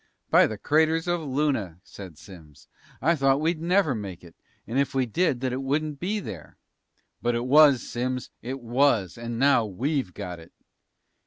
"By the craters of Luna," said Simms, "I thought we'd never make it! And if we did, that it wouldn't be there!" "But it was, Simms! It was! And now we've got it!"